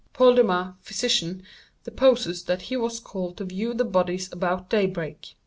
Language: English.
"Paul Dumas, physician, deposes that he was called to view the bodies about day break.